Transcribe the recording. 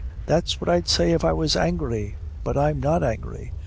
That's what I'd say if I was angry; but I'm not angry.